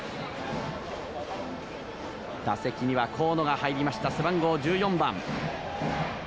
打席には河野が入りました背番号１４番。